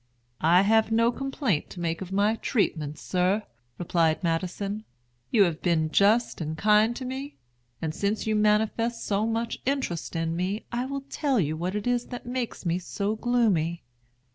"I have no complaint to make of my treatment, sir," replied Madison. "You have been just and kind to me; and since you manifest so much interest in me, I will tell you what it is that makes me so gloomy."